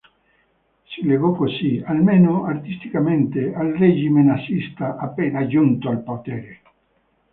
Si legò così, almeno artisticamente, al regime nazista appena giunto al potere.